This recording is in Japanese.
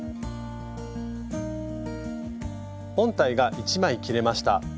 本体が１枚切れました。